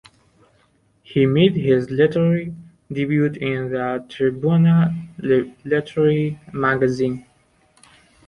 He made his literary debut in the "Tribuna" literary magazine.